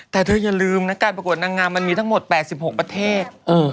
แต่เธออย่าลืมนะการประกวดนางงามมันมีทั้งหมด๘๖ประเทศ